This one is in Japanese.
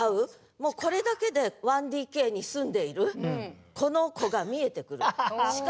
もうこれだけで１ＤＫに住んでいるこの子が見えてくる。